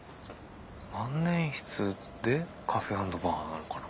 万年筆でカフェ＆バーなのかな？